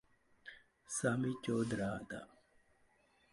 सामी चोद रहा था।